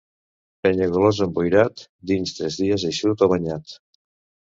Penyagolosa emboirat, dins tres dies eixut o banyat.